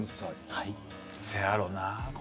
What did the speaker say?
せやろな。